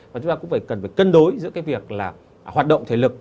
và chúng ta cũng cần cân đối giữa việc hoạt động thể lực